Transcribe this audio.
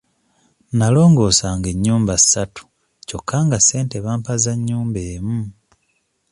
Nalongoosanga ennyumba ssatu kyokka nga ssente bampa za nnyumba emu.